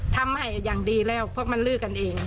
ทำให้อย่างดีแล้วเพราะมันลือกันเอง